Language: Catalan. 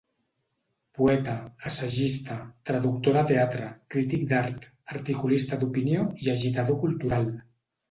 Poeta, assagista, traductor de teatre, crític d’art, articulista d’opinió i agitador cultural.